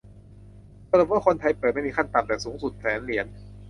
สรุปว่า คนไทยเปิด ไม่มีขั้นต่ำ แต่สูงสุด แสนเหรียญ